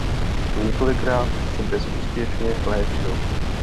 Několikrát se bezúspěšně léčil.